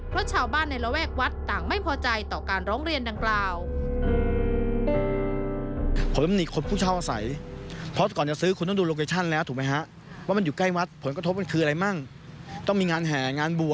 เพราะชาวบ้านในระแวกวัดต่างไม่พอใจต่อการร้องเรียนดังกล่าว